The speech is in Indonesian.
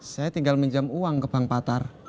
saya tinggal minjam uang ke bank patar